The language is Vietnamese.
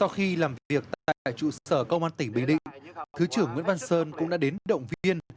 khi làm việc tại trụ sở công an tỉnh bình định thứ trưởng nguyễn văn sơn cũng đã đến động viên